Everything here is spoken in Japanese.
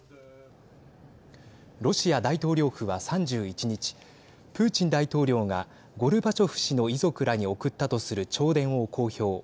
ロシア大統領府は、３１日プーチン大統領がゴルバチョフ氏の遺族らに送ったとする弔電を公表。